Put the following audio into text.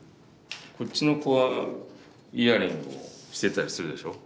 こっちの子はイヤリングをしてたりするでしょ？